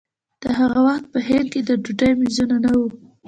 د هغه وخت په هند کې د ډوډۍ مېزونه نه وو.